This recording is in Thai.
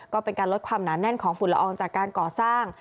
ก็เป็นการลดความหนาแน่นของฝุ่นละอองจากการก่อสร้าง